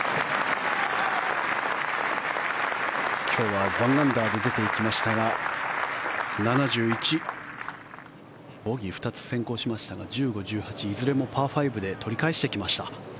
今日は１アンダーで出ていきましたが７１ボギー２つ先行しましたが１５、１８、いずれもパー５で取り返してきました。